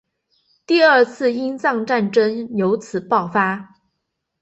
第二次英藏战争由此爆发。